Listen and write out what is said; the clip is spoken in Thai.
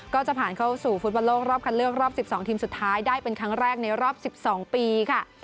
ก็จะผ่านเข้าสู่ฟุตบอลโลกรอบคันเลือกรอบ๑๒ทีมสุดท้ายได้เป็นครั้งแรกในรอบ๑๒ปีค่ะ